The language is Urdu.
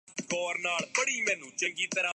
اب دوسنی ریاستیں برسر پیکار ہیں۔